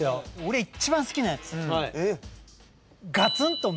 俺一番好きなやつ。